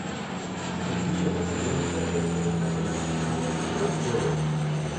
È vicepresidente del Comitato Nazionale per la Bioetica.